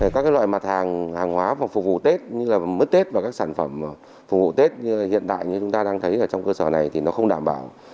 các loại mặt hàng hàng hóa phục vụ tết như là mứt tết và các sản phẩm phục vụ tết như hiện tại như chúng ta đang thấy ở trong cơ sở này thì nó không đảm bảo